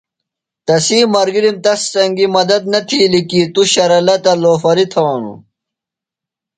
تسی ملگِرم تس سنگی مدت نہ تِھیلیۡ کی توۡ شرلہ تہ لوفری تھانوۡ۔